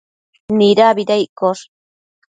Nidabida iccosh?